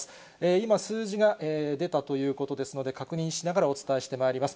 今、数字が出たということですので、確認しながらお伝えしてまいります。